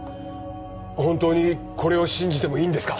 本当にこれを信じてもいいんですか？